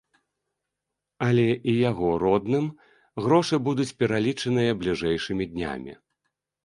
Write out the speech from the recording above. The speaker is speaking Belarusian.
Але і яго родным грошы будуць пералічаныя бліжэйшымі днямі.